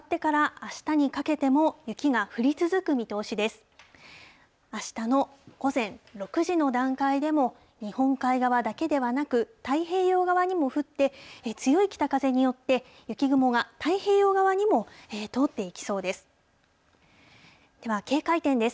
あしたの午前６時の段階でも、日本海側だけではなく、太平洋側にも降って、強い北風によって雪雲が太平洋側にも通っていきそうです。